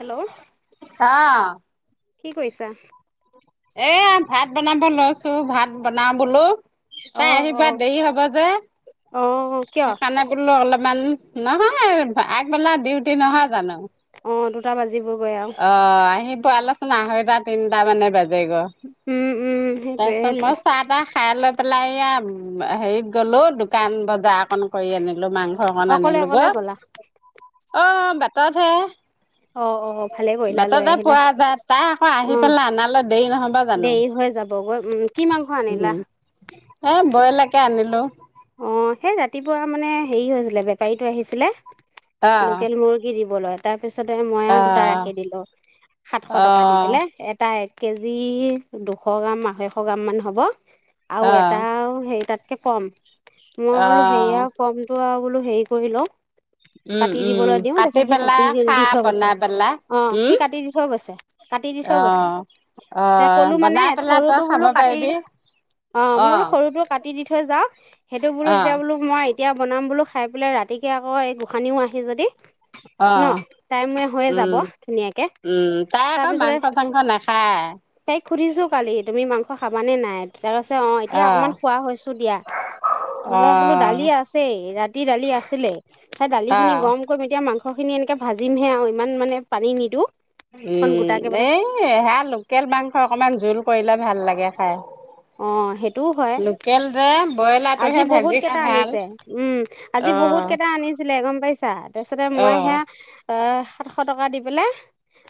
Hello আহ কি কৰিছা এয়া ভাত বনাব লৈছো ভাত বনাও বোলো অ তাই আহিপোৱা দেৰি হব যে অ অ কিয়? সেইকাৰণে বোলো অলপমান নহয় আগবেলা ডিউটি নহয় জানো অ দুটা বাজিব গৈ আৰু পোৱালচোন আঢ়ৈটা তিনিটা মানে বাজি উম উম [unintelligible] সেইটোয়ে তাৰপিছত সেইটোয়ে মই চাহ তাহ খাইলৈ পেলাইয়া হেৰিত গ'লো দোকান বজাৰ অকণ কৰি আনিলো লো মাংস অকণ অকলে আনিলো ব অকলে গ'লা অ বাটত হে অ অ ভালে কৰিলা লৈ বাটতে আহিলা পোৱা যায় তাই আকৌ অ আহি পেলাই অননালে দেৰি নহবা জানো দেৰি হৈ যাবগৈ উম কি মাংস উম, আনিলা এ বইলাকে আনিলো অ সেই ৰাতিপুৱা মানে হেৰি হৈছিলে বেপাৰীটো আহিছিলে অ', লোকেল মুৰ্গী দিব লয় তাৰ তাৰপিছতে মই দুটা অ'। ৰাখি দিলো সাতশ টকা দি অ', পেলাই এটাই কেজি দুশ গ্ৰাম আঢ়ৈশ গ্ৰাম মান হ'ব আৰু এটা অ', হেৰি তাত কম মই বোলো হে অ', আৰু কমটো আৰু বোলো হেৰি কৰি লওঁ উম, কাটি উম, দিবলৈ দিও কাটি পেলা তাৰপিছত সি খা কাটি দি থৈ গৈছে বনাই পেলা। অ সি উম। কাটি দি থৈ গৈছে কাটি দি থৈ গৈছে অ', যে অ', কলো মানে বনাই পেলাই তই সৰুটো খাব বোলো কাটি পাৰিবি। অ মই বোলো সৰু টো কাটি দি থৈ যাওক সেইটো বোলো তেতিয়া অ', বোলো মই এতিয়া বনাম বোলো খাই পেলাই ৰাতিকে আকৌ এই গোঁসানীও আহি যদি ন অ', টাইমে হৈয়ে যাব উম, ধুনীয়াকে উম, তাই আকৌ তাৰপিছতে মাংস চাংস নাখায়। তাইক সুধিছো কালি তুমি মাংস খাব নে নাই তাৰ পাছছে অ এতিয়া অকনমান খোৱা হৈছো দিয়া মই বোলো দালি অ', আছেই ৰাতি দালি আছিলে সেই দালি খিনি অ'। গৰম কৰিম এতিয়া মাংস খিনি এনেকে ভাজিমহে আৰু ইমান মানে পানী নিদো উম এই সেয়া লোকেল মাংস অকনমান জোল কৰিলে ভাল লাগে খাই অ সেইটোও হয় লোকেল যে আজি ব্ৰইলাৰটোহে বহুত ভাজি খাই কেইটা ভাল। আনিছে উম আজি বহুত অ', কেইটা আনিছিলে গম পাইছা তাৰপিছতে মই সেয়া অ', অ সাতশ টকা দি পেলাই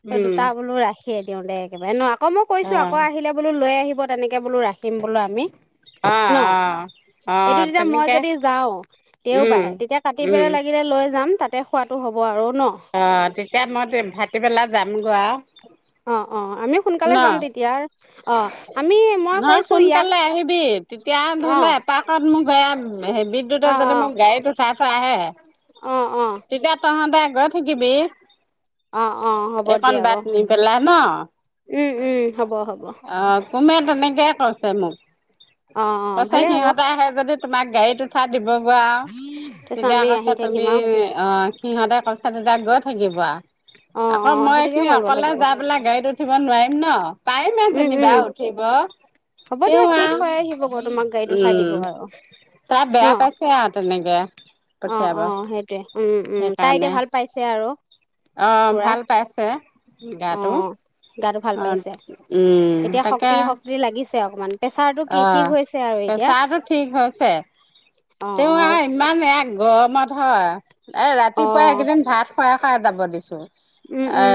উম, দুটা বোলো ৰাখিয়ে দিওঁ দে একেবাৰে আক মই কৈছো অ'। আকৌ আহিলে বোলো লৈ আহিব তেনেকে বোলো ৰাখিম বোলো আমি অ', ন অ', এইটো অ', তেতিয়া মই তেনেকে যদি যাও দেও উম, বাই তেতিয়া কাটি উম, পেলাই লাগিল লৈ যাম তাতে খোৱাটো হ'ব আৰু ন অ তেতিয়া মই ভাত দি পেলাই যাম গৌ আ অ অ আমি সোনকালে যাম তেতিয়া অ আমি মই নহয় কৈছো ইয়াক সোনকালে আহিবি তেতিয়া ধৰি অ লও এপাকত মোক বেয়া হেই বিদ্যুতে অ অ যদি মোক গাড়ীত উঠাই থৈ আহে অ অ তেতিয়া তহতে গৈ থাকিবি অ অ হ'ব এইকণ দিয়া বাট বাৰু নি পেলাই ন উম উম হ'ব হ'ব অ কোমে তেনেকে কৈছে মোক অ অ কৈছে ভালে হ'ব সিহঁতে আহে যদি তোমাক গাড়ীত উথা দিবগৈ আৰু তাৰপিছত তেতিয়া আমি আহি কৈছা তুমি থাকিম আৰু অ সিহঁতে কৈছা তেতিয়া গৈ থাকিব আৰু অ অ আকৌ মই সেইটোকে এইখিনি কৰিব অকলে লাগিব যাই পেলাই গাড়ীত উঠিব নোৱাৰিম ন পাই ম উম উম যেনিবা উঠিব হ'ব তেওঁ দিয়া সি আৰু থৈ আহিব গ তোমাক গাড়ীত উঠাই উম দিব আৰু তাই ন বেয়া পাইছে আৰু তেনেকে। অ পঠিয়াব অ সেইটোৱে। উম উম তাই এতিয়া সেইকাৰণে ভাল পাইছে আৰু আহ পুৰা ভাল পাইছে। অ গাটো গাটো ভাল অ পাইছে উম এতিয়া তাকে শক্তি শক্তি লাগিছে অকমান প্ৰেছাৰটো কি অ ঠিক হৈছে আৰু এতিয়া পেচাহটো ঠিক হৈছে। অ তেওঁ আৰু অ ইমান এক গৰমত হয় এ অ ৰাতিপুৱাই এইকেইদিন ভাত খুৱাই খুৱাই যাব দিছো। উম আ উম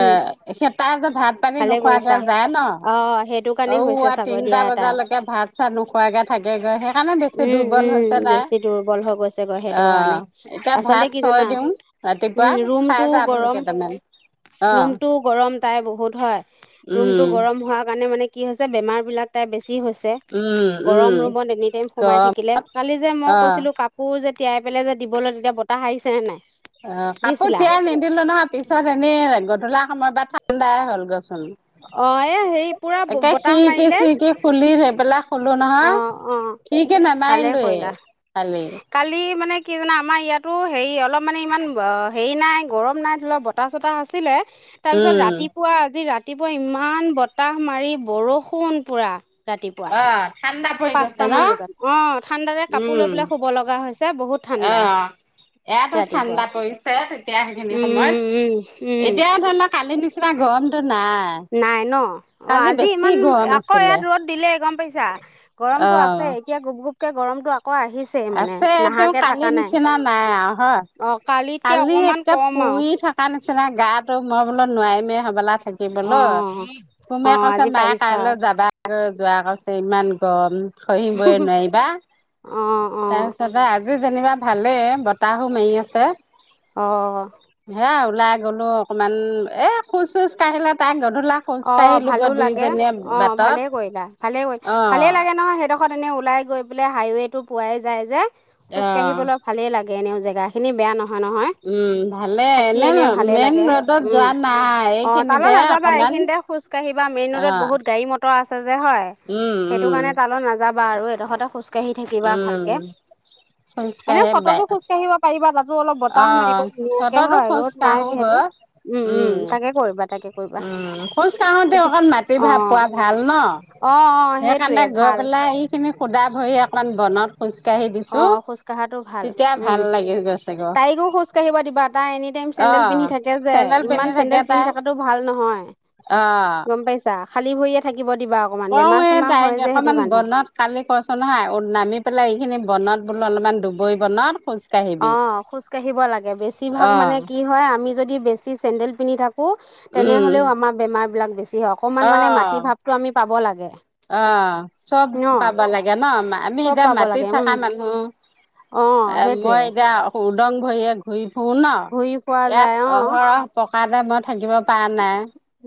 সেই তাই ভাত পানী ভালে নোখোৱাকে কৰিছা যায় ন অ সেইটো কাৰণে ঔ হৈছে চাগৈ তিনটা দিয়া তাই বজালৈকে ভাত চাত নোখোৱা। খোৱাকে থাকেগৈ সেইকাৰণে বেছি উম দুৰ্বল উম হৈছে তাই, বেছি দুৰ্বল হৈ গৈছেগৈ সেইটো কাৰণে আহ এতিয়া ভাল। আচলতে ভাত কি থৈ জানা দিওঁ ৰাতিপুৱা খাই যাই বোলো কেইটামান। অ', ৰুম টো গৰম তাই বহুত হয়। ৰুমটো উম, গৰম হোৱাৰ কাৰণে মানে কি হৈছে বেমাৰ বিলাক তাই বেছি হৈছে। উম, উম, গৰম ৰুমত এনি টাইম সোমাই গম থাকিলে কালি যে মই অ', কৈছিলো কাপোৰ। যে তিয়াই পেলাই যে দিব লে তেতিয়া বতাহ আহিছে নে নাই? অ কাপোৰ দিছিলা তিয়াই নিদিলো নহয় পিছত এনে গধূলা সময় বা ঠাণ্ডাই হ'ল গছ। অ এ হেৰি পুৰা এতিয়া বতাহ খিৰিকী মাৰিলে চিৰিকি কি খুলি সেই পেলাক শুলো অ নহয় অ খিৰিকী ভালে নামাৰিলোয়ে। কৰিলা কালি মানে কি জানা আমাৰ ইয়াত। তো হেৰি অলপ মানে ইমান হেৰি নাই গৰম নাই ধৰি লপ বতাহ চতাহ আছিলে। তাৰপিছত উম, ৰাতিপুৱা আজি ৰাতিপুৱা ইমান বতাহ মাৰি বৰষুণ পুৰা। ৰাতিপুৱা অ', ঠাণ্ডা পৰি গৈছে পাঁচটা মান ন' বজাত অ ঠাণ্ডাৰে কাপোৰ লৈ উম। পেলাই শুব লগা হয়। যে বহুত ঠাণ্ডা। এয়াতো ৰাতিপুৱা ঠাণ্ডা পৰিছে তেতিয়া সেইখিনি উম উম সময়ত উম এতিয়া ধৰি লোৱা কালি নিচিনা। গৰমটো নাই। নাই ন অ কালি আজি বেছি ইমান গৰম আকৌ আছিলে। ইয়াত ৰদ দিলে গম পাইছা গৰমতটো অ', আছে। এতিয়া গুপ গুপ কে গৰমটো আকৌ আহিছেই মানে আছে তেওঁ নাহাকে কালি থকা নাই নিচিনা নাই আৰু হয়। অ' কালিতকে কালি অকমান একে কম আৰু পুৰি থকা নিচিনা গাটো মই বোলো নোৱাৰিমেই হবলা। থাকিবলো অ' তুমি অ' কৈছে আজি মায়ে পাৰিছা কাইলৈ যাবা। আৰু জোঁৱাই কৈছে ইমান গৰম হহিবই আৰু। নোৱাৰিবা অ' অ' তাৰপিছতে আজি যেনিবা ভালে বতাহো মাৰি আছে। অহ হে ওলাই গ'লো অকণমান এ খোজ চোজ কাঢ়িলে তাই গ অ ভালো লাগে অ বাটত ভালে কৰিলা ভালে কৰিল অ ভালে লাগে নহয় সেইডখ ত এনে ওলাই গৈ পেলাই হাইৱে টো পোৱাই যায় যে অ খোজ কঢ়িবলৈ ভালেই লাগে। এনেইও জেগাখিনি বেয়া নহয়। নহয় নহয় উম ভালে থাকি এনে ভালে মেইন লাগে ৰ'দত উম যোৱা নাই অ তালৈ এইখিনিতহে নাযাবা। অকমান এইখিতে খোঁজ কাঢ়ি বা মেইন অ ৰডত বহুত গাড়ী মৰতৰ আছে। হয় উম সেইটো উম কাৰণে তাৰ লগত নাযাবা আৰু এইদখতে খোজকাঢ়ি থাকিবা উম ভালকে এনে খোজকাঢ়ি বাই চততো খোজকাঢ়িব পাৰিবা যাতে। অলপ অ বতাহ মাৰিব ধুনীয়াকে চততো হয় খোজ ৰ'দ নাই কাঢ়ো যিহেতু। গৈ উম উম তাকে কৰিবা তাকে কৰিবা। অঁ খোজ কাঢ়োতে এতিয়া অকল মাটি ভাৱ অঁ পোৱা ভাল ন। অ অ সেইটোৱে সেইকাৰণে গৈ ভাল পেলাই এইখিনি সুধা ভৰি অকন বনত। খোজকাঢ়ি অ দিছো খোজ কঢ়াটো ভাল তেতিয়া উম ভাল লাগে গৈছে গ তাইকো খোজ কাঢ়িব দিবা তাই এনি টাইম অ চেডেল পিন্ধি থাকে যে চেন্দেল ইমান পিন্ধি থাকে চেণ্ডেল পিন্ধি তাই থকাটো ভাল নহয়। অ গম পাইছা খালী ভৰিয়ে থাকে। কওঁ এই তাইক অকমান কাৰণে বনত কালি কছ নহয় নামি পেলাই এইখিনি বনত বোলো অলপমান ডুবৰি বনাত খো অ খোজ কাঢ়িব লাগে বেছিভাগ অ মানে কি হয় আমি যদি বেছি চেন্দেল পিন্ধি থাকো। উম তেনেহলেও আমাৰ বেমাৰ বিলাক বেছি হয় অকমান অ মানে মাটি ভাৱটো আমি পাব লাগে। অ চব ন পাব লাগে ন আমি চব এতিয়া পাব মাটিত লাগে উম থকা মানুহ। অ এ সেই মই এতিয়া উদং ভৰিয়ে ঘূৰি শুন ন ঘূৰি ফুৰা ইয়াত যায় অ অহৰহ পকা টাইপৰ থাকিব পাৰে নাই।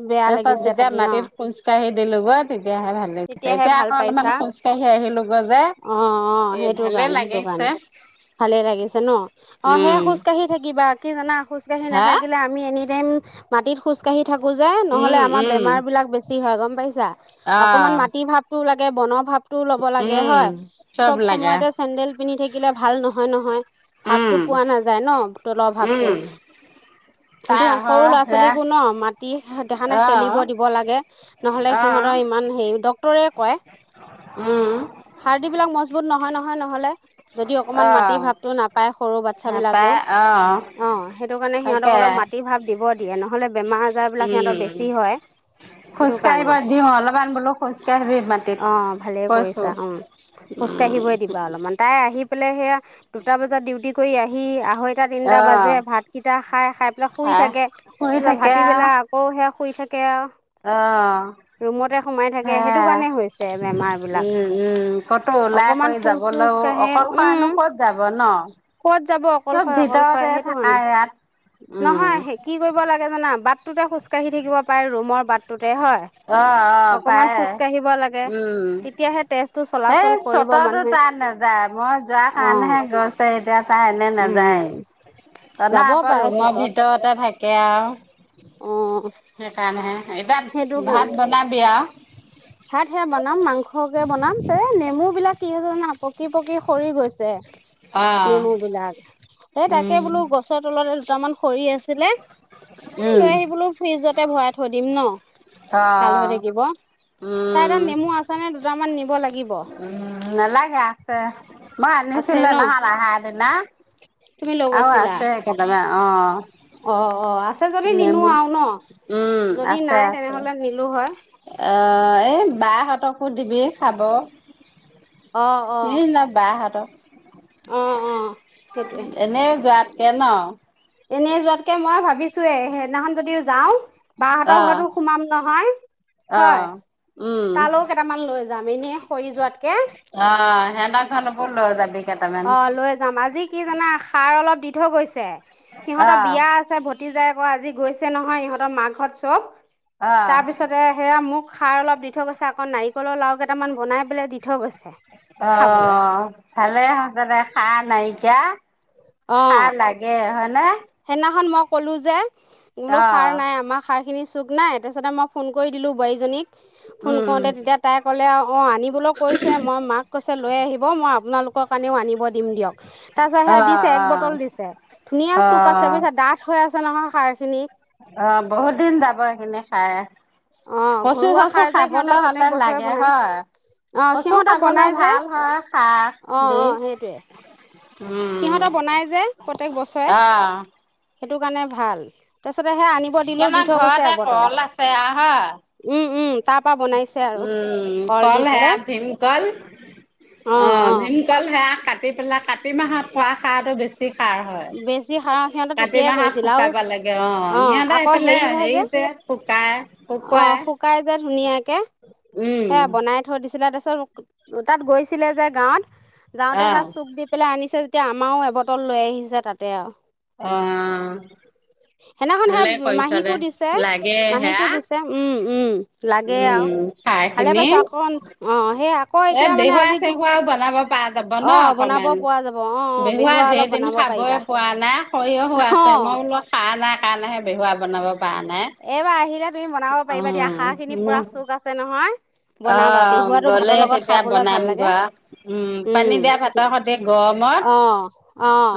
বেয়া তাৰ পিছত লাগিছে যেতিয়া থাকি অ মাটিত খোজকাঢ়ি দিলো গলোগৈ তেতিয়াহে ভাল লাগিছে তেতিয়াহে এতিয়া ভাল আকৌ অলপমান পাইছা খোজ কাঢ়ি আহিলো গৈ যে অ অ এ সেইটো ভালে কাৰণে সেইটো কাৰণে লাগিছে। ভালে লাগিছে ন অ সেয়া উম খোজ কাঢ়ি থাকিবা কি জানা খোজকাঢ়ি হা নাথাকিলে আমি এনিটাইম মাটিত খোজকাঢ়ি থাকো যে নহ'লে উম আমাৰ উম বেমাৰবিলাক বেছি হয় গম পাইছা। অকমান আহ মাটিৰ ভাৱটোও লাগে বনৰ ভাৱটোও ল'ব লাগে উম হয় চব সময়তে চেন্দেল পিন্ধি থাকিলে ভাল নহয় নহয় ভাৱটো উম পোৱা নাযায় ন তলৰ ভাৱটো উম কিন্তু তাই সৰু অহৰহ ল'ৰা সেয়া ছোৱালীকো ন মাটিত সেখানে আহ খেলিব দিব লাগে নহলে সি আহ হঁতৰ ইমান হেই ডক্তৰে কয় উম হাৰ্ডিবিলাক মজবুত নহয় নহয় নহ'লে যদি অকমান আহ মাটিৰ ভাৱটো নাপায়। সৰু বাচ্ছা বিলাকেও নাপায় আহ অ সেইটো কাৰণে সিহতক তাকে অলপ মাটি ভাৱ দিব দিয়ে নহলে বেমাৰ আজাৰ বিলাক সিহঁতৰ বেছি হয় খোজ কাঢ়িব দিওঁ অলপ আন বোলো। খোজকাঢ়িবি মাটিত অ ভালেই কৈছো কৰিছা উম খোজ উম কাঢ়িবই দিবা অলপমান তাই আহি পেলাই- সেয়া দুটা বজাত ডিউটি কৰি আহি- আঢ়ৈটা তিনিটা আহ বাজে ভাতকেইটা খাই খাই পেলাই শুই আহ থাকে শুই তাৰপিছত থাকে ভাটি আও বেলা আকৌ সেই- শুই থাকে আও অহ ৰুমতে সোমাই থা হে সেইটো কাৰণে হৈছে বেমাৰ বিলাক উম উম ক'তো ওলাই অকমান কৰি খোজ চোজ যাবলৈও কাঢ়ে অকলশৰেনো উম- ক'ত যাব ন কত যাব চব অকলশয় অকলশয় ভিতৰতে সেইটো থাকা কাৰণে ইয়াত উম নহয় কি কৰিব লাগে জানা- বাটটোতে খোজ কঢ়ি থাকিব পাৰে ৰুমৰ বাটটোতে হয়। অকমান পাই খোজ কাঢ়িব লাগে উম তেতিয়াহে তেজটো এই চলাচল কৰিব চততো মানুহে তান নাযায় মই- যোৱা অ কাৰণহে গৈছে এতিয়া চা এনে নাযায়। উম তানা যাব আকৌ পাৰে ৰুমৰ চতত ভিতৰতে থাকে আও অ সেইকাৰণেহে সেইটো এতিয়া কাৰণে ভাত বনাবি আও ভাত সেয়া বনাম মাংসকে বনাম এ নেমু বিলাক কি হৈছে জানা পকি পকি সৰি গৈ- পিছে অ নেমু বিলাক এই তাকে উম বোলো গছৰ তলতে দুটামান সৰি আছিলে। এ উম লৈ আহি বোলো ফ্ৰিজতে ভৰাই থৈ দিম ন অ ভাল হৈ থাকিব। তাইৰে উম নেমু আছে নে দুটামান নিব লাগে উম নালাগে আছে মই আছে আনিছিলো ন নহয় আহা দিনা তুমি লৈ আও গৈছিলা আছে কেইটামান অ অ অ আছে যদি নিনো নেমু আৰু ন উম যদি আছে নাই আছে তেনেহলে নিলো হয়। এই বাইহতকো দিবি খাব অ অ এই না বাহতক অ অ সেইটোৱে কে ন এনেই যোৱাতকে মই ভাবিছোয়ে সেইদিনাখন যদিও যাওঁ অ বাহঁতৰ ঘৰতো সোমাম নহয়। অ হয় উম তালৈও কেইটামান লৈ যাম এনেই সৰি যোৱাতকে অহ সেনে খান মোকো লৈ যাবি। কেইটামান অ লৈ যাম। আজি কি জানা সাৰ অলপ দি থৈ গৈছে অ সিহঁতৰ বিয়া আছে উটি যায় আকৌ আজি গৈছে নহয় ইহঁতৰ মাক হত চব। অ তাৰপিছতে সেয়া মোক খাৰ অলপ দি- দি থৈ গৈছে আকৌ নাৰিকলৰ লাৰু কেইটামান বনাই পেলাই দি থৈ গৈছে। খাবলৈ অঁ ভালে হৈছে দে সা নাইকিয়া। অঁ খাৰ লাগে হয়নে? সেইদিনাখন মই কলো যে বোলো অ খাৰ নাই আমাৰ। খাৰখিনি চুক নাই তাৰপিছতে মই ফোন কৰি দিলোঁ বোৱাৰীজনীক, ফোন উম কৰোঁতে তেতিয়া তাই ক'লে আৰু- অঁ আনিবলৈ কৈছোৱেই মই মাক কৈছে লৈ আহিব, মই আপোনালোকৰ কাৰণেও আনিব দিম দিয়ক। তাৰ পিছত অ অ সেয়া দিছে এক বটল দিছে, ধুনীয়া অ চুক আছে বুজিছা ডাঠ হৈ আছে। হৈ আছে নহয় খাৰখিনিত। অঁ বহুত দিন যাব সেইখিনি খায়। অঁ কচু ঘৰুৱা চচু সাৰ যে সিহঁতৰ খাবলৈ প্ৰত্যেক হলে বছৰে লাগে বনাই হয়। অঁ কচু সিহঁতৰ খাবলৈ বনাই যে ভাল হয় খাহ অঁ দি। অঁ সেইটোৱে উম সিহঁতৰ বনাই যে প্ৰত্যেক বছৰে আহ। সেইটো কাৰণে ভাল। তাৰপিছতে সেয়া আনিব দিলোঁ দি কেনা থৈ গৈছে ঘৰতে এবটল কল আছে আহা। উম উম তাৰ পৰা বনাইছে আৰু উম দি কল সেয়া পেলাই ভীম কল। অ অঁ অ ভীমকল সেয়া কাটি পেলাই কাতি মাহত খোৱা খাৰটো বেছি। খাৰ হয়। বেছি সাৰ সিহঁতে কাতি তেতিয়াই মাহত কৰিছিল আৰু শুকাব লাগে, অঁ অ সিহঁত আকৌ সেইফালে হয় হেৰি যে- শুকাই অ শুকোৱাই- শুকাই যে ধুনীয়াকে সেয়া বনাই থৈ দিছিলে তাৰপিছত তাত গৈছিলে যে গাঁৱত- যাওঁতে হে চুক দি পেলাই আনিছে যেতিয়া আমাৰও এবটল লৈ আহিছে তাতে আৰু। অঁ। সেইদিনাখন ভালে সেই কৰিছা মাহীকো দে দিছে লাগে সেয়া। মাহীকো দিছে উম উম লাগে আৰু উম খাৰ ভালে খিনি পাইছো আকৌ অঁ সেই আকৌ এতিয়া মানে আজি- পা যাব ন অ বনাব অকমান। পৰা যাব অ অ বেহুৱা অলপ ধেইদিনা বনাব খাবই পাৰিবা পোৱা নাই সৰিয়হ হৈ আছে। অ মই বোলো খাই নাই কাৰণে সে বেহুৱা- বনাব। পৰা নাই এইবাৰ আহিলে তুমি বনাব অ পাৰিবা দিয়া খাৰ খিনি পুৰা চুক আছে নহয়। অ বনাবা বেহুৱাটো গ'লে ভাতৰ লগত তেতিয়া খাবলৈ ভাল লাগে বনামগৈ আও। উম পানী দিয়া উম। ভাতৰ সৈতে গৰমত অঁ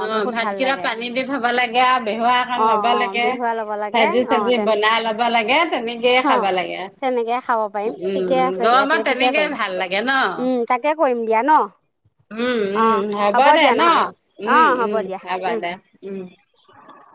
অ বহুত ভাল ভাতকেইটা লাগে পানী দি থব লাগে আৰু বেহুৱা অকণ অঁ ল'ব অঁ লাগে বেহুৱাল- লাগে ভাজি চাজি অঁ। বনাই ল'ব লাগে তেনেকেইে খাব লাগে তেনেকে খাব পাৰিম উম। ঠিকে উম আছে দিয়া গৰমত সেইটোকে তেনেকে কৰিম ভাল লাগে ন। উম তাকে কৰিম দিয়া ন উম অ উম হ'ব দে দিয়া ন, নহ'লে অ উম উম দিয়া হব উম দে উম। [unintelligible]